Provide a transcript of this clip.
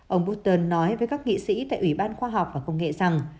ông boutern nói với các nghị sĩ tại ủy ban khoa học và công nghệ rằng